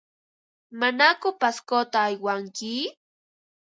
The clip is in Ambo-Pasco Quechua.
¿Manaku Pascota aywanki?